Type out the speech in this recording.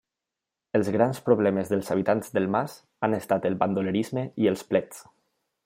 Els grans problemes dels habitants del mas han estat el bandolerisme i els plets.